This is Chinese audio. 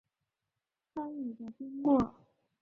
参与的经过